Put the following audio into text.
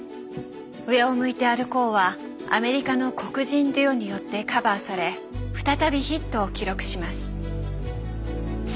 「上を向いて歩こう」はアメリカの黒人デュオによってカバーされ再びヒットを記録します。